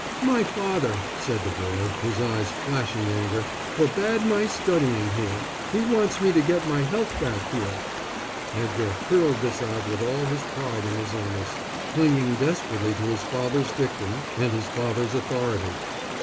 "My father," said the boy, his eyes flashing anger, "forbade my studying here. He wants me to get my health back here." Edgar hurled this out with all his pride in his illness, clinging desperately to his father's dictum and his father's authority.